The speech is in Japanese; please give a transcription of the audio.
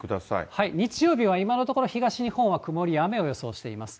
日曜日は今のところ、東日本は曇りや雨を予想しています。